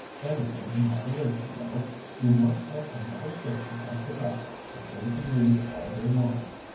Everything in moderation, though. You must have another station at your back before you can read all day long."